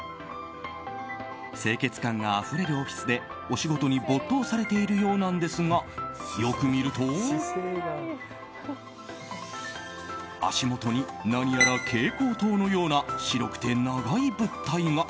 生活感あふれるオフィスでお仕事に没頭されているようなんですがよく見ると足もとに何やら蛍光灯のような白くて長い物体が。